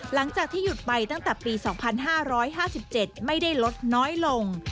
หลังจากที่หยุดไปตั้งแต่ปีสองพันห้าร้อยห้าสิบเจ็ดไม่ได้ลดน้อยลง